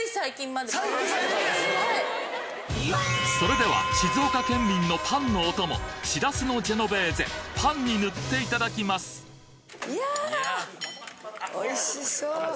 それでは静岡県民のパンのお供しらすのジェノベーゼパンに塗っていただきますいやおいしそう！